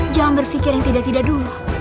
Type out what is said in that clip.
jangan berpikir yang tidak tidak dulu